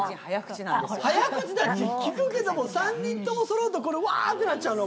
早口だって聞くけども３人とも揃うとわぁーってなっちゃうの？